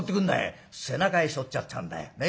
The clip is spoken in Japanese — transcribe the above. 「背中へしょっちゃったんだよ。ね？